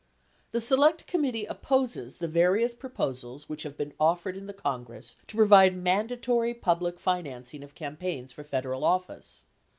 The Select Committee opposes the various proposals which have been offered in the Congress to provide mandatory public financing of campaigns for Federal office.